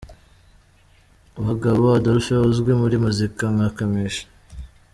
Bagabo Adolphe uzwi muri muzika nka Kamichi.